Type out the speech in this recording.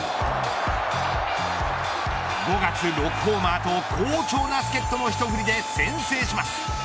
５月６ホーマーと好調な助っ人のひと振りで先制します。